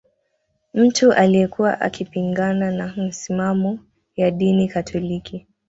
Mtu aliyekuwa akipingana na misimamo ya dini katoliki